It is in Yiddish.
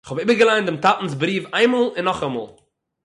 איך האב איבערגעלייענט דעם טאטנ'ס בריוו איינמאל און נאכאמאל